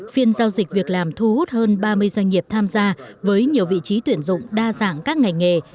phiên giao dịch việc làm thu hút hơn ba mươi doanh nghiệp tham gia với nhiều vị trí tuyển dụng đa dạng các ngành nghề